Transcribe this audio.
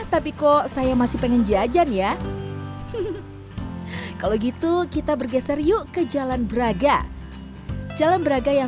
tapi kok saya masih pengen jajan ya kalau gitu kita bergeser yuk ke jalan braga jalan braga yang